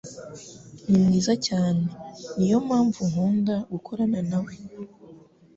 Ni mwiza cyane, niyo mpamvu nkunda gukorana nawe.